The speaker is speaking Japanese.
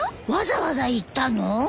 わざわざ行ったの？